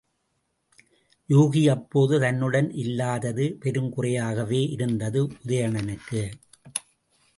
யூகி அப்போது தன்னுடன் இல்லாதது பெருங்குறையாகவே இருந்தது உதயணனுக்கு.